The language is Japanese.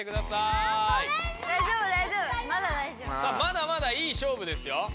さあまだまだいい勝負ですよ。